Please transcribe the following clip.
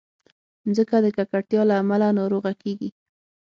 مځکه د ککړتیا له امله ناروغه کېږي.